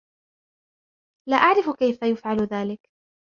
لا أعرف كيف يُفعل ذلك.